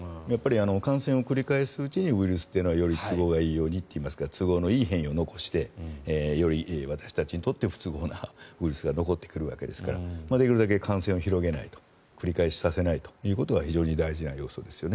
感染を繰り返すうちにウイルスはより都合のいい変異を残してより私たちにとって不都合なウイルスが残ってくるわけですからできるだけ感染を広げない繰り返しさせないというのが大事な要素ですよね。